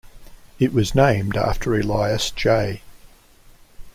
It was named after Elias J.